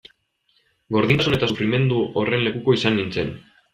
Gordintasun eta sufrimendu horren lekuko izan nintzen.